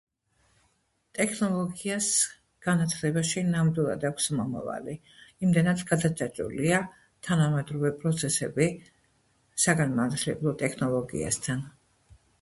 ტექნოლოგიას განათლებაში ნამდვილად აქვს მომავალი, იმდენად გადაჯაჭვულია თანამედროვე პროცესები საგანმანათლებლო ტექნოლოგიასთან.